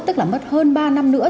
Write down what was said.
tức là mất hơn ba năm nữa